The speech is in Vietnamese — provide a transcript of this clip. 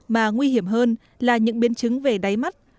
mà nguy hiểm hơn là những biến chứng về đáy mắt